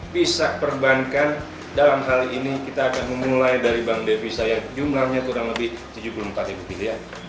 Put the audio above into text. visa perbankan dalam hal ini kita akan memulai dari bank devisa yang jumlahnya kurang lebih tujuh puluh empat miliar